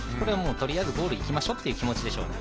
とりあえずゴールに行きましょうという気持ちでしょうね。